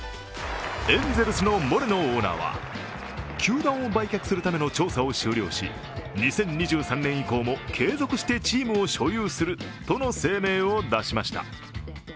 エンゼルスのモレノオーナーは球団を売却するための調査を終了し、２０２３年以降も継続してチームを所有するとの声明を出しました。